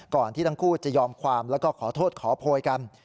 ที่ทั้งคู่จะยอมความแล้วก็ขอโทษขอโพยกัน